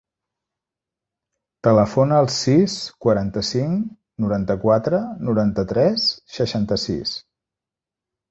Telefona al sis, quaranta-cinc, noranta-quatre, noranta-tres, seixanta-sis.